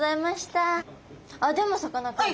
あっでもさかなクン